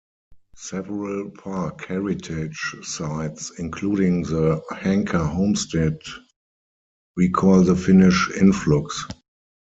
Several park Heritage Sites, including the "Hanka Homestead", recall the Finnish influx.